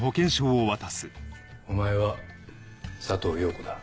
お前は佐藤洋子だ。